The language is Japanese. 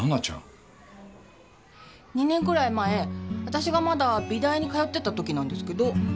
２年くらい前私がまだ美大に通ってた時なんですけど。